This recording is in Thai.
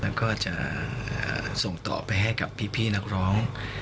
แล้วก็จะส่งต่อไปให้กับพี่นักร้อง